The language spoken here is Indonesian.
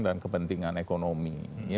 dan kepentingan ekonomi